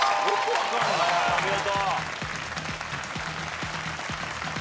お見事。